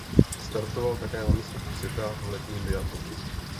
Startoval také na mistrovství světa v letním biatlonu.